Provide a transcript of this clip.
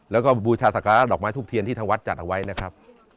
แล้วก็บูชาสาคาราธรรมชทุกเทียนที่ทั้งวัดจัดอะไว้นะครับ